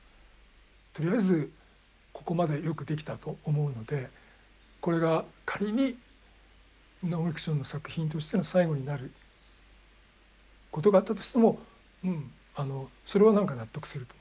とりあえずここまでよくできたと思うのでこれが仮にノンフィクションの作品としての最後になることがあったとしてもうんそれは何か納得すると。